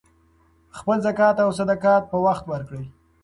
خپل زکات او صدقات په وخت ورکړئ.